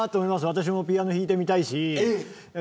私もピアノ弾いてみたいし。